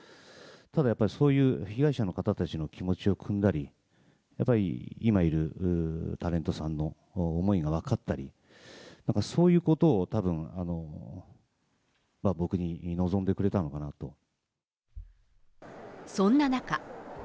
ただやっぱり、そういう被害者の方たちの気持ちをくんだり、やっぱり今いるタレントさんの思いが分かったり、そういうことをたぶん、そんな中。